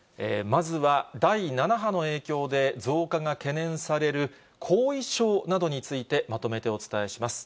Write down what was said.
まずは第７波の影響で、増加が懸念される後遺症などについてまとめてお伝えします。